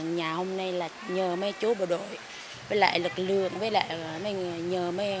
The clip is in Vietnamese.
nhà hôm nay là nhờ mấy chú bộ đội với lại lực lượng với lại nhờ mấy em